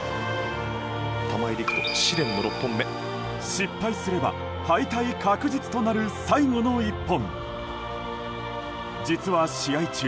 失敗すれば敗退確実となる最後の１本。